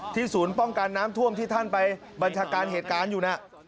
ศูนย์ป้องกันน้ำท่วมที่ท่านไปบัญชาการเหตุการณ์อยู่นะ